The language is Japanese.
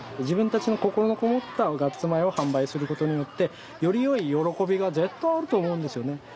自分たちの心のこもったガッツ米を販売する事によってより良い喜びが絶対あると思うんですよね。